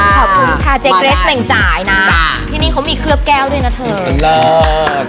ขอบคุณค่ะเจ๊เกรทเม่งจ่ายนะที่นี่เขามีเคลือบแก้วด้วยนะเธอ